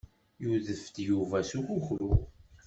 Yudef-d Yuba s ukukru.